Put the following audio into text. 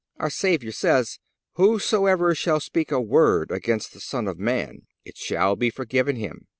Our Savior says: "Whosoever shall speak a word against the Son of man it shall be forgiven him.